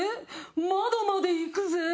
窓まで行くぜ。